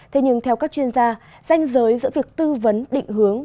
thế nhưng theo các chuyên gia danh giới giữa việc tư vấn định hướng